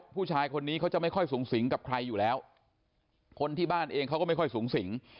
ผู้ชายคนนี้เขาจะไม่ค่อยสูงสิงกับใครอยู่แล้วคนที่บ้านเองเขาก็ไม่ค่อยสูงสิง